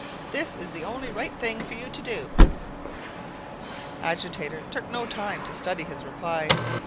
This is the only right thing for you to do." Agitator took no time to study his reply.